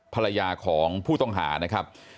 ภรรยาของผู้ต้องหานะครับ